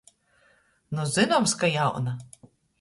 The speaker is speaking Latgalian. Nu, zynoms, ka jauna!